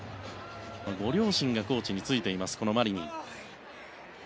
ご両親がコーチについていますマリニン。